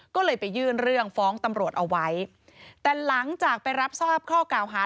ก็เลยไปยื่นเรื่องฟ้องตำรวจเอาไว้แต่หลังจากไปรับทราบข้อกล่าวหา